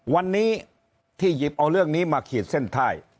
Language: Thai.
วันนี้ที่หยิบเอาเรื่องนี้มาขีดเส้นใต้